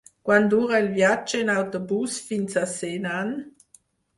Quant dura el viatge en autobús fins a Senan?